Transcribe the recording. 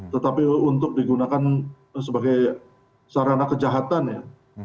tetapi untuk digunakan sebagai sarana kejahatan ya